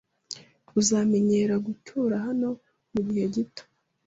Uzamenyera gutura hano mugihe gito.